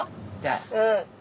うん。